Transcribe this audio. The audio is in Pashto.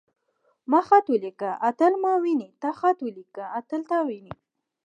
ما خط وليکه. اتل ما ويني.تا خط وليکه. اتل تا ويني.